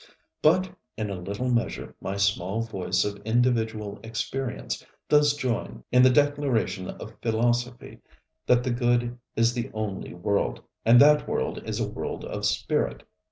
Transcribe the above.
But in a little measure my small voice of individual experience does join in the declaration of philosophy that the good is the only world, and that world is a world of spirit.